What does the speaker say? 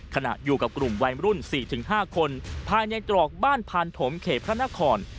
ขณะอยู่กับกลุ่มวัยรุ่น๔๕คนภายในตรอกบ้านพานถมเขตพระนคร